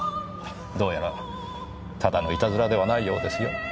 どうやらただのイタズラではないようですよ。